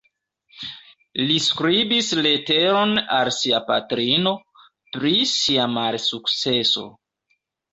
Li skribis leteron al sia patrino, pri sia malsukceso.